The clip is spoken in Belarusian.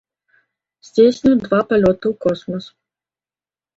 Здзейсніў два палёты ў космас.